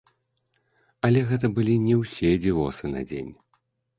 Але гэта былі не ўсе дзівосы на дзень.